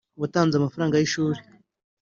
Watanze amafaranga y’ishuri